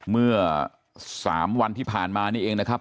เมื่อ๓วันที่ผ่านมานี่เองนะครับ